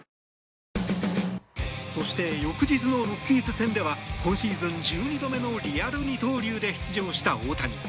そして翌日のロッキーズ戦では今シーズン１２度目のリアル二刀流で出場した大谷。